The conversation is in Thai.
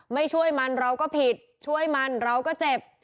ไม่ช่วยมันเราก็ผิดช่วยมันเราก็เจ็บ